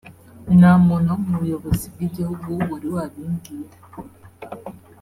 nta muntu wo mu buyobozi bw’igihugu wari wabimbwira”